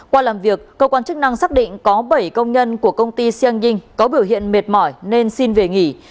qua làm việc cơ quan chức năng xác định có bảy công nhân của công ty sing yng có biểu hiện mệt mỏi nên xin về nghỉ